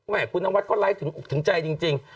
ไม่คู่นาวัดเขาไลฟ์ถึงใจจริง